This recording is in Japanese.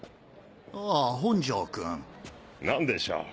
あぁ本城君。何でしょう？